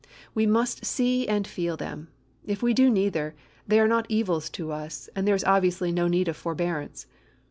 We must see and feel them; if we do neither, they are not evils to us, and there is obviously no need of forbearance.